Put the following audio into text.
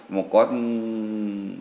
một con chất cấm